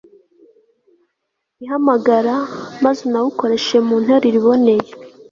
ihamagara maze unawukoreshe mu nteruro iboneye